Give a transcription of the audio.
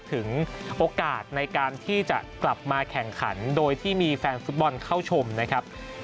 ถึงโอกาสในการที่จะกลับมาแข่งขันโดยที่มีแฟนฟุตบอลเข้าชมนะครับ